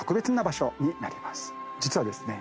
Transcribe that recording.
実はですね